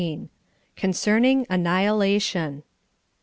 XIX. CONCERNING ANNIHILATION.